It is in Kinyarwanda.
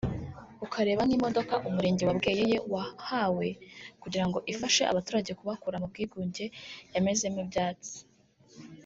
ukareba nk’imodoka umurenge wa Bweyeye wahawe kugira ngo ifashe abaturage kubakura mu bwigunge yamezemo ibyatsi